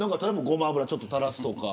ごま油をちょっと垂らすとか。